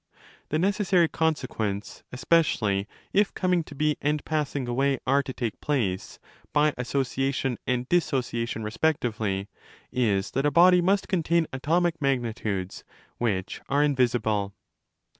The necessary consequence—especially if coming to be and passing away are to take place by 'association' and 'dissociation' respectively—is that a body 1 must contain atomic magnitudes which are invisible.